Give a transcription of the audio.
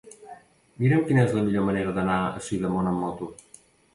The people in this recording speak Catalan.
Mira'm quina és la millor manera d'anar a Sidamon amb moto.